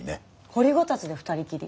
掘りごたつで２人きり？